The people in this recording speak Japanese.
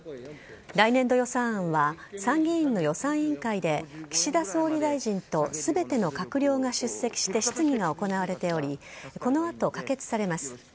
来年度予算案は、参議院の予算委員会で、岸田総理大臣とすべての閣僚が出席して質疑が行われており、このあと可決されます。